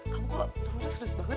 kamu kok terus terus banget